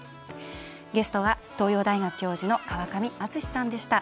ゲストは東洋大学教授の川上淳之さんでした。